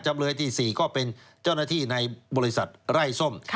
จำเลยที่๔ก็เป็นเจ้าหน้าที่ในบริษัทไร้ส้ม